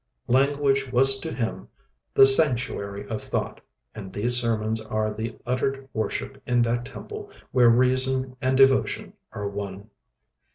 Language was to him "the sanctuary of thought," and these sermons are the uttered worship in that temple where reason and devotion are one.